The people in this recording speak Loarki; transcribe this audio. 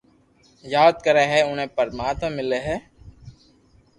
ياد ڪري ھي اوني پرماتما ملي ھي